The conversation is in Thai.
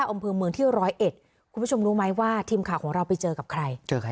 แก้อำเภอเมืองที่๑๐๑คุณผู้ชมรู้ไหมว่าทีมข่าวของเราไปเจอกับใคร